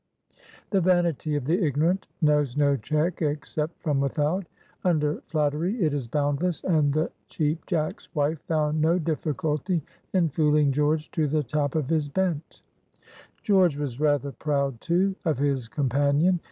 The vanity of the ignorant knows no check except from without; under flattery, it is boundless, and the Cheap Jack's wife found no difficulty in fooling George to the top of his bent. George was rather proud, too, of his companion.